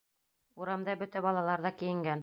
Урамда бөтә балалар ҙа кейенгән.